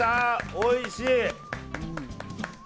おいしい！